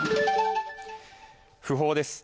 訃報です。